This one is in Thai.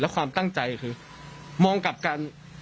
ความตั้งใจคือมองกับการ